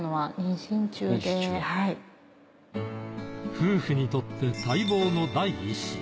夫婦にとって待望の第一子。